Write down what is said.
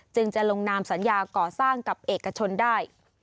จะลงนามสัญญาก่อสร้างกับเอกชนได้